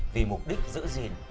vì mục đích giữ gìn